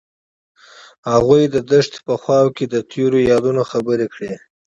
هغوی د دښته په خوا کې تیرو یادونو خبرې کړې.